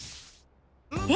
え！